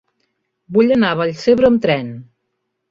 Vull anar a Vallcebre amb tren.